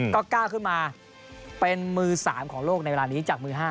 ก็ก้าวขึ้นมาเป็นมือ๓ของโลกในเวลานี้จากมือ๕